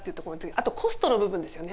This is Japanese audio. あとコストの部分ですよね。